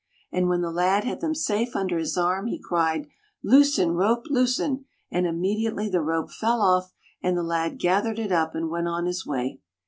And when the lad had them safe under his arm, he cried, " Loosen, rope, loosen," and immediately the rope fell off, and the lad gathered it up and went on his way.